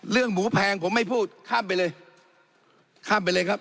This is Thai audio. หมูแพงผมไม่พูดข้ามไปเลยข้ามไปเลยครับ